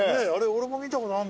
俺も見たことあるんだよね。